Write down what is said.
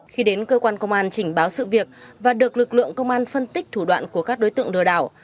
khi đến cơ quan công an chỉnh báo sự việc và được lực lượng công an phân tích thủ đoạn của các đối tượng lừa đảo